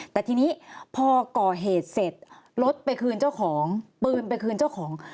แต่ทีนี้พอก่อเหตุเสร็จรถไปคืนเจ้าของปืนไปคืนเจ้าของ